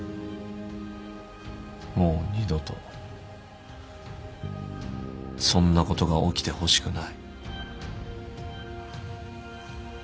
もう二度とそんなことが起きてほしくない。